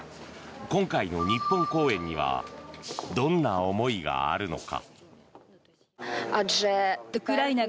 今回の日本公演にはどんな思いがあるのか。